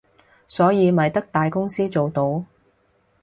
所以咪得大公司做到